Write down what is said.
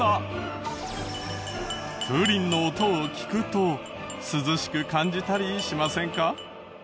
風鈴の音を聞くと涼しく感じたりしませんか？